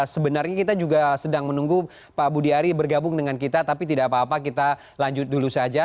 sebenarnya kita juga sedang menunggu pak budi ari bergabung dengan kita tapi tidak apa apa kita lanjut dulu saja